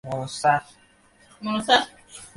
আবার জগতের অন্তর্গত সব-কিছুই দেশ-কাল-নিমিত্তের ছাঁচে ঢালা।